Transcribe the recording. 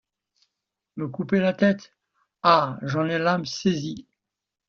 Me couper la tête! ah ! j’en ai l’âme saisie.